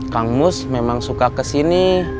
kang mus memang suka kesini